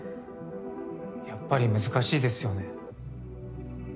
やっぱり難しいですよね。